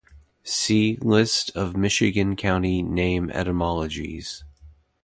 "See" List of Michigan county name etymologies.